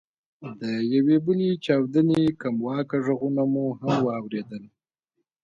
د یوې بلې چاودنې کمواکه ږغونه مو هم واورېدل.